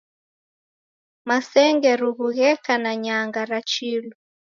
Masenge rughu gheka na nyanga ra chilu.